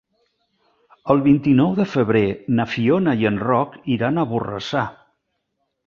El vint-i-nou de febrer na Fiona i en Roc iran a Borrassà.